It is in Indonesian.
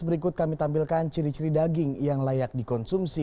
berikut kami tampilkan ciri ciri daging yang layak dikonsumsi